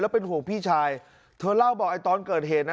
เป็นห่วงพี่ชายเธอเล่าบอกไอ้ตอนเกิดเหตุนะ